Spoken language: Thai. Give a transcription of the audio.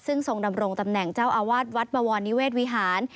ซึ่งทรงดำรงตำแหน่งเจ้าอาวาสวัดบวรนิเวศวิหาร